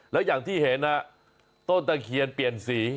แล้วอย่างที่เห็นต้นตะเคียนเปลี่ยนสี